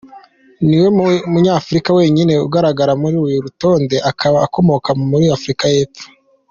Ni we munyafurika wenyine ugaragara muri uru rutonde, akaba akomoka muri Afurika y’Epfo.